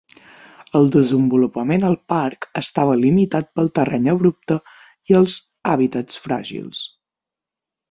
El desenvolupament al parc estava limitat pel terreny abrupte i els hàbitats fràgils.